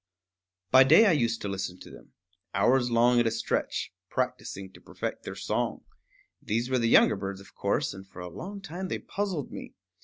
By day I used to listen to them, hours long at a stretch, practicing to perfect their song. These were the younger birds, of course; and for a long time they puzzled me.